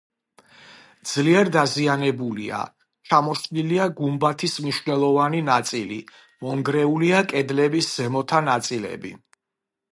ძლიერ დაზიანებულია: ჩამოშლილია გუმბათის მნიშვნელოვანი ნაწილი, მონგრეულია კედლების ზემოთა ნაწილები.